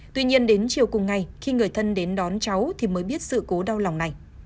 tuy nhiên đến chiều cùng ngày khi người thân đến đón cháu thì mới biết sự cố đau lòng này